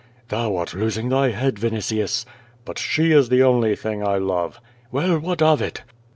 "Thou art losing thy head, Vinitius." "But she is the only thing I love." "Well, what of it?"